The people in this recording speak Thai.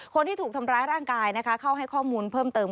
คนที่ถูกทำร้ายร่างกายนะคะเข้าให้ข้อมูลเพิ่มเติม